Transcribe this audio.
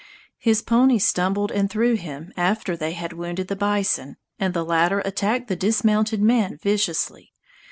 His pony stumbled and threw him, after they had wounded the bison, and the latter attacked the dismounted man viciously.